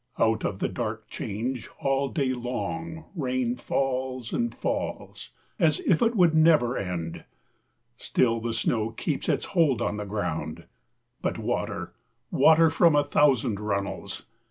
Out of the dark change all day long rain falls and falls as if it would never end. Still the snow keeps its hold on the ground. But water, water from a thousand runnels!